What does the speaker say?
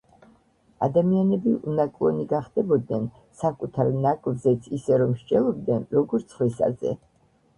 ადამიანები უნაკლონი გახდებოდნენ, საკუთარ ნაკლზეც ისე რომ მსჯელობდნენ, როგორც სხვისაზე.